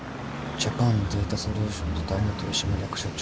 ジャパンデータソリューションズ代表取締役社長